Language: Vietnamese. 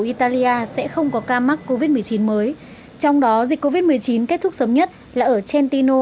italia sẽ không có ca mắc covid một mươi chín mới trong đó dịch covid một mươi chín kết thúc sớm nhất là ở kentino